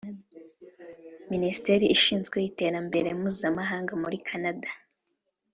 Minisitiri ushinzwe iterambere Mpuzamahanga muri Canada